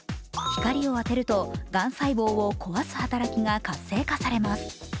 光を当てると、がん細胞を壊す働きが活性化されます。